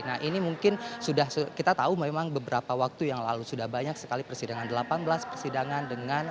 nah ini mungkin sudah kita tahu memang beberapa waktu yang lalu sudah banyak sekali persidangan delapan belas persidangan dengan sembilan puluh saksi yang dihadirkan dari jpu ini